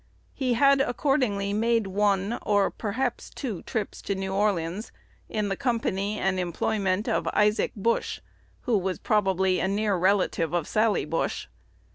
He had accordingly made one, or perhaps two trips to New Orleans, in the company and employment of Isaac Bush, who was probably a near relative of Sally Bush.